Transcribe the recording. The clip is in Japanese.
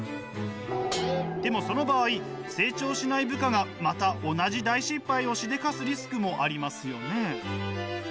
でもその場合成長しない部下がまた同じ大失敗をしでかすリスクもありますよね？